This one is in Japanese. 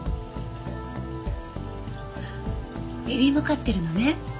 エビも飼ってるのね。